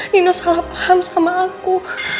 nino salah paham sama aku